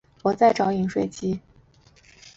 我在找饮水机